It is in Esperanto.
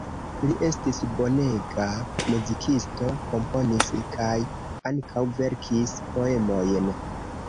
Li estis bonega muzikisto, komponis kaj ankaŭ verkis poemojn.